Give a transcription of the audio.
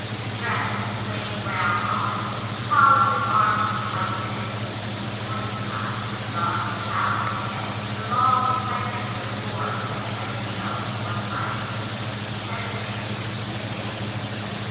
The dress was plain brown holland, with collar and armlets of white linen; but, to Wharton's eye, the dark Italian head, and the long slenderness of form had never shown more finely. He hesitated and stayed.